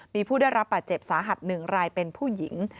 มีผู้ได้รับบาดเจ็บสาหัส๑รายเป็นผู้หญิง